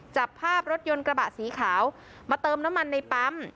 จับภาพรถยนต์กระบะสีขาวมาเติมน้ำมันในปั๊ม